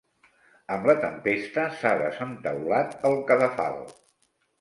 Amb la tempesta s'ha desentaulat el cadafal.